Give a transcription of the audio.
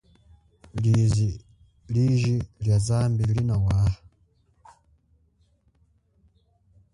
Liji lia zambi linawaha.